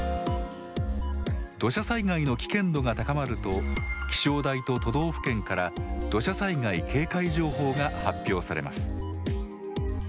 土砂災害の危険度が高まると気象台と都道府県から土砂災害警戒情報が発表されます。